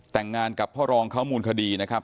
แต่งงานกับพ่อรองเขามูลคดีนะครับ